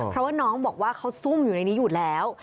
เพราะว่าน้องบอกว่าเขาซุ่มอยู่ในนี้อยู่แล้ว